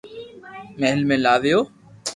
مھل ۾ لاويو